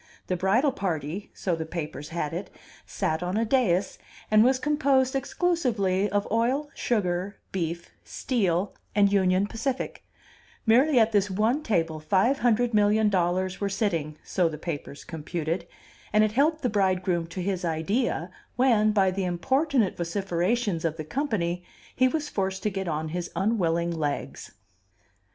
The bridal party (so the papers had it) sat on a dais, and was composed exclusively of Oil, Sugar, Beef, Steel, and Union Pacific; merely at this one table five hundred million dollars were sitting (so the papers computed), and it helped the bridegroom to his idea, when, by the importunate vociferations of the company, he was forced to get on his unwilling legs.